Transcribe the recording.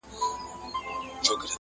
خو څوک يې مرسته نه کوي